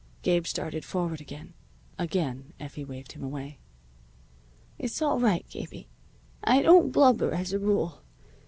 Gabe started forward again. Again Effie waved him away. "It's all right, Gabie. I don't blubber as a rule.